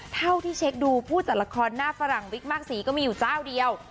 เท่าที่เช็คดูผู้จัดละครหน้าฝรั่งวิกมากสีก็มีอยู่เจ้าเดียว